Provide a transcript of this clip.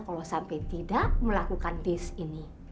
kalo sampe tidak melakukan this ini